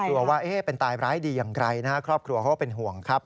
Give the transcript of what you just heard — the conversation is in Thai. กลัวว่าเป็นตายร้ายดีอย่างไรนะครับครอบครัวเขาก็เป็นห่วงครับ